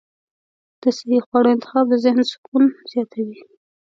د صحي خواړو انتخاب د ذهن سکون زیاتوي.